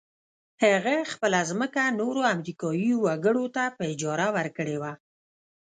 هغه خپله ځمکه نورو امريکايي وګړو ته په اجاره ورکړې وه.